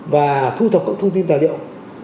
và thu thập các thông tin tài liệu